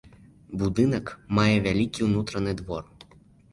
Будынак мае вялікі ўнутраны двор.